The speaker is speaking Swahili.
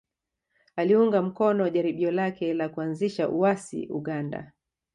Aliunga mkono jaribio lake la kuanzisha uasi Uganda